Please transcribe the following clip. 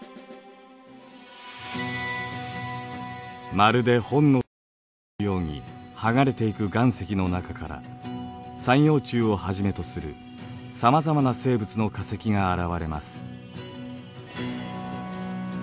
まるで本のページをめくるように剥がれていく岩石の中から三葉虫をはじめとするさまざまな生物の化石が現れます。